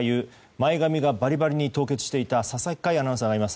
前髪がバリバリに凍結していた佐々木快アナウンサーがいます。